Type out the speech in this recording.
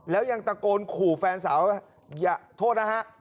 แล้วยังตะโกนขู่แฟนสาวอย่าโทษนะฮะ